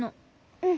うん。